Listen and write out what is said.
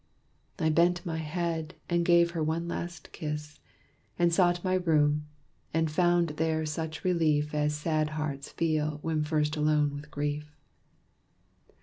I bent my head and gave her one last kiss, And sought my room, and found there such relief As sad hearts feel when first alone with grief.